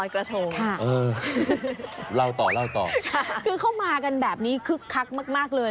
คือเขามากันแบบนี้คึกคักมากเลย